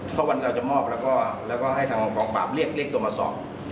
เพราะวันเราจะมอบแล้วก็แล้วก็ให้ทางของกองฝาบเรียกเรียกตัวมาสอบ